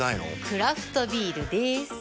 クラフトビールでーす。